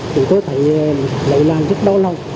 chúng tôi phải lợi làm rất bao lâu